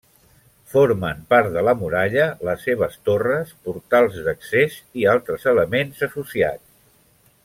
Formen part de la muralla les seves torres, portals d'accés i altres elements associats.